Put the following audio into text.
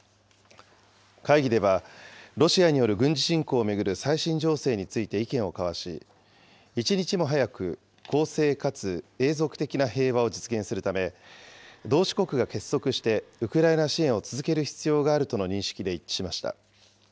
会議では、ロシアによる軍事侵攻を巡る最新情勢について意見を交わし、一日も早く公正かつ永続的な平和を実現するため、同志国が結束してウクライナ支援を続ける必要があるとの認識で一致しました。